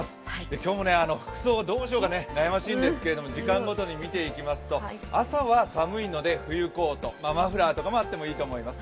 今日も服装どうしようか、悩ましいんですけど時間ごとに見ていきますと朝は寒いので冬コート、マフラーとかもあってもいいと思います。